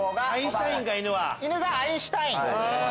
犬がアインシュタイン。